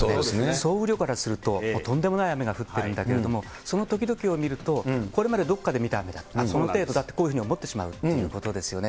総雨量からすると、とんでもない雨が降ってるんだけれども、そのときどきを見ると、これまでどっかで見た雨だ、その程度だと、こういうふうに思ってしまうということですよね。